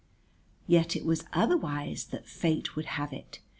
Yet it was otherwise that Fate would have it.